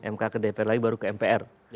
mk ke dpr lagi baru ke mpr